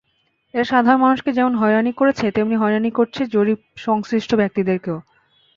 এরা সাধারণ মানুষকে যেমনি হয়রানি করছে, তেমনি হয়রানি করছে জরিপসংশ্লিষ্ট ব্যক্তিদেরও।